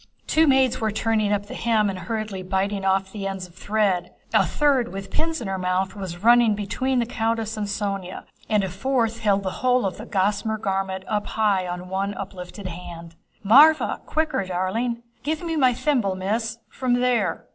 Two maids were turning up the hem and hurriedly biting off the ends of thread. A third with pins in her mouth was running about between the countess and Sónya, and a fourth held the whole of the gossamer garment up high on one uplifted hand. "Mávra, quicker, darling!" "Give me my thimble, Miss, from there..."